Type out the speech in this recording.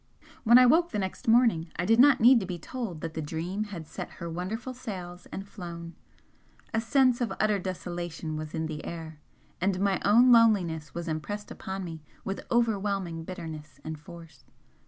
When I woke the next morning I did not need to be told that the 'Dream' had set her wonderful sails and flown. A sense of utter desolation was in the air, and my own loneliness was impressed upon me with overwhelming bitterness and force.